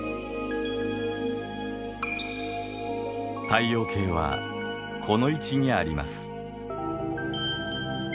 太陽系はこの位置にあります。